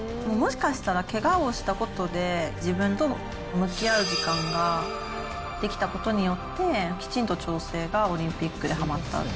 もしかしたらけがをしたことで、自分と向き合う時間が出来たことによって、きちんと調整がオリンピックではまった。